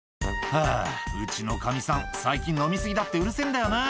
「はぁうちのカミさん最近飲み過ぎだってうるせぇんだよな」